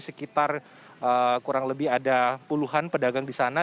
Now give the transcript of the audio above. sekitar kurang lebih ada puluhan pedagang di sana